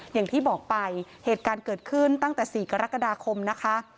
อย่างที่บอกไปเหตุการณ์เกิดขึ้นตั้งแต่๔กรกฎาคมนะคะ